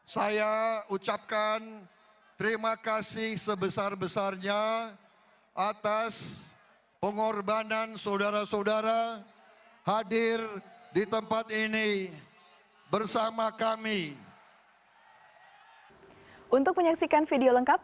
saya ucapkan terima kasih sebesar besarnya atas pengorbanan saudara saudara hadir di tempat ini bersama kami